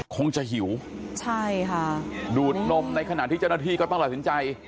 คงจะหิวใช่ค่ะดูดนมในขณะที่เจ้าหน้าที่ก็ต้องตัดสินใจ